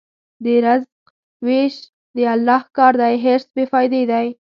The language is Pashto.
د رزق وېش د الله کار دی، حرص بېفایده دی.